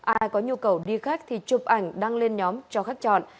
ai có nhu cầu đi khách thì chụp ảnh đăng lên nhóm cho khách chọn